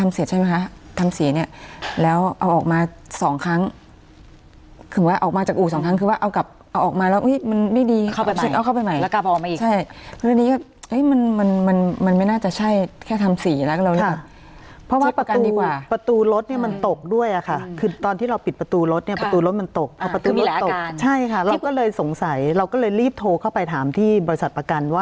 คือว่าเอากลับเอาออกมาแล้วอุ๊ยมันไม่ดีเข้าไปใหม่เอาเข้าไปใหม่แล้วกลับออกมาอีกใช่เพราะนี้ก็เฮ้ยมันมันมันมันไม่น่าจะใช่แค่ทำสีแล้วก็เราค่ะเพราะว่าประตูประตูรถเนี่ยมันตกด้วยอะค่ะคือตอนที่เราปิดประตูรถเนี่ยประตูรถมันตกคือมีหลายอาการใช่ค่ะเราก็เลยสงสัยเราก็เลยรีบโทรเข้าไปถามที่บริ